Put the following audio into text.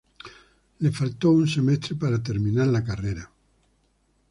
Le faltó un semestre para terminar la carrera.